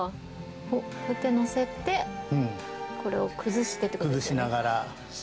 こうやって載せて、これを崩してってことですよね。